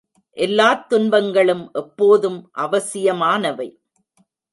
எல்லாத் துன்பங்களும் எப்போதும் அவசியமானவை.